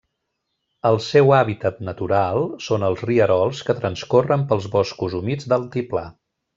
El seu hàbitat natural són els rierols que transcorren pels boscos humits d'altiplà.